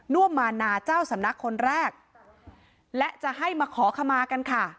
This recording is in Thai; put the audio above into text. วมมานาเจ้าสำนักคนแรกและจะให้มาขอขมากันค่ะ